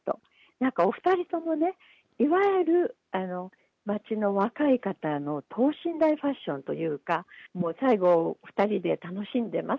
なんかお２人ともね、いわゆる街の若い方の等身大ファッションというか、もう最後、２人で楽しんでます。